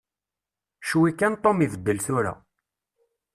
Ccwi kan Tom ibeddel tura.